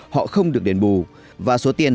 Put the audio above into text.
họ không được đền bù và số tiền